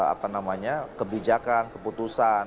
apa namanya kebijakan keputusan